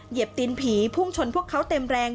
เหยีนผีพุ่งชนพวกเขาเต็มแรง